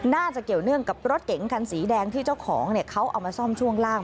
เกี่ยวเนื่องกับรถเก๋งคันสีแดงที่เจ้าของเขาเอามาซ่อมช่วงล่าง